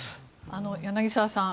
柳澤さん